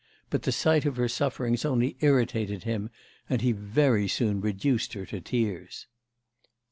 But the sight of her sufferings only irritated him, and he very soon reduced her to tears.